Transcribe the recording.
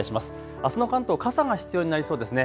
あすの関東、傘が必要になりそうですね。